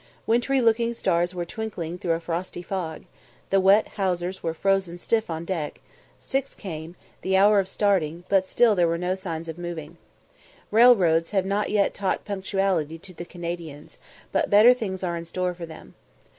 Wintry looking stars were twinkling through a frosty fog; the wet hawsers were frozen stiff on deck; six came, the hour of starting, but still there were no signs of moving. Railroads have not yet taught punctuality to the Canadians, but better things are in store for them.